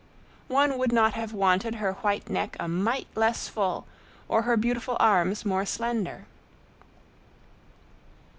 One would not have wanted her white neck a mite less full or her beautiful arms more slender.